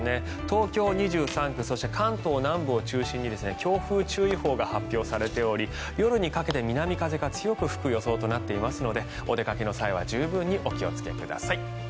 東京２３区そして関東南部を中心に強風注意報が発表されており夜にかけて南風が強く吹く予想となっていますのでお出かけの際は十分にお気をつけください。